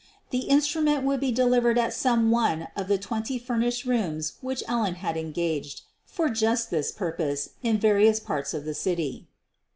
The instrument would be delivered at some one of the twenty furnished rooms which Ellen had en gaged for just this purpose in various parts of the city.